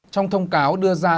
trong thông cáo đưa ra